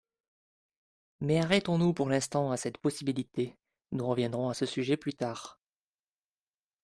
Mais arrêtons-nous pour l’instant à cette possibilité, nous reviendrons à ce sujet plus tard.